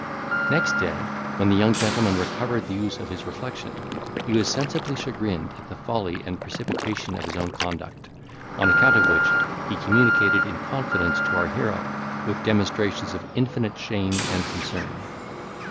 Next day, when the young gentleman recovered the use of his reflection, he was sensibly chagrined at the folly and precipitation of his own conduct, an account of which he communicated in confidence to our hero, with demonstrations of infinite shame and concern.